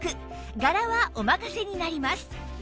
柄はお任せになります